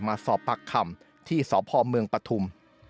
มาสอบปรักคำที่สอบพ่อเมืองปฐม